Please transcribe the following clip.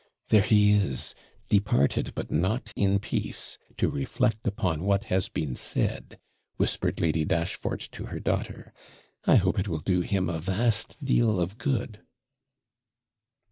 'There he is, departed, but not in peace, to reflect upon what has been said,' whispered Lady Dashfort to her daughter. 'I hope it will do him a vast deal of good.'